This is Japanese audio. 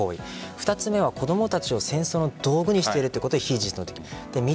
２つ目は子供たちを、戦闘の道具にしてるということで非人道的。